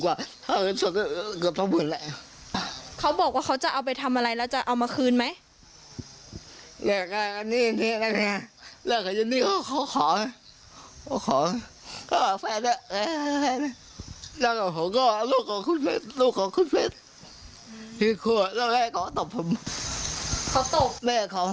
เขาบอกว่าเขาจะเอาไปทำอะไรแล้วจะเอามาคืนไหม